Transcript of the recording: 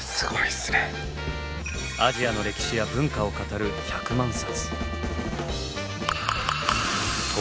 アジアの歴史や文化を語る１００万冊。